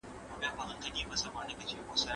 ښوونکی د ښوونځي د زدهکوونکو واکمن دی.